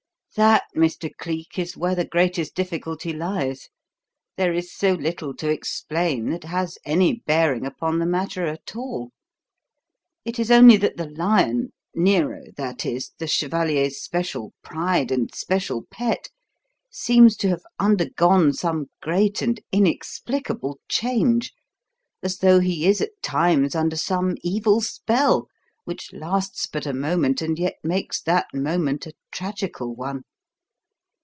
"That, Mr. Cleek, is where the greatest difficulty lies there is so little to explain that has any bearing upon the matter at all. It is only that the lion Nero, that is, the chevalier's special pride and special pet seems to have undergone some great and inexplicable change, as though he is at times under some evil spell, which lasts but a moment and yet makes that moment a tragical one.